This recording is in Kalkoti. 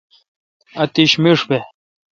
اتش مݭ بہ۔